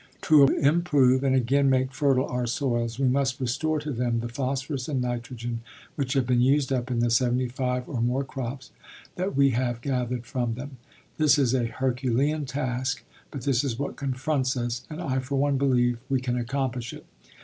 To improve and again make fertile our soils, we must restore to them the phosphorus and nitrogen which have been used up in the seventy five or more crops that we have gathered from them. This is a herculean task but this is what confronts us and I for one believe we can accomplish it.